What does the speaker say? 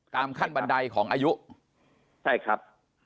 ขั้นบันไดของอายุใช่ครับ